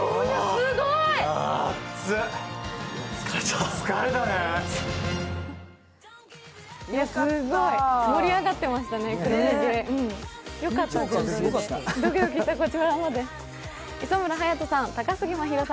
すごい、盛り上がってましたね、黒ひげ。